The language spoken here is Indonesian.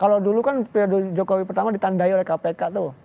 kalau dulu kan periode jokowi pertama ditandai oleh kpk tuh